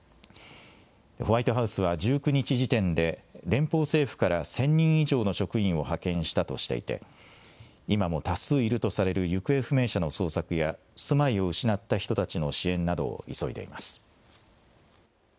ホワイトハウスは１９日時点で、連邦政府から１０００人以上の職員を派遣したとしていて、今も多数いるとされる行方不明者の捜索や、住まいを失った人たちの支援などを急いでいます。